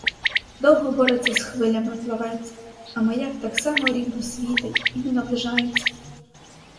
Довго бореться з хвилями плавець, а маяк так само рівно світить і не наближається.